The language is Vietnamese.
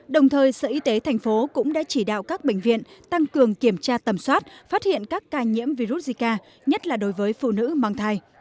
đồng thời sở y tế thành phố cũng đã chỉ đạo các bệnh viện tăng cường kiểm tra tầm soát phát hiện các ca nhiễm virus zika nhất là đối với phụ nữ mang thai